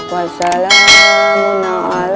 wassalamu ala ala muresalih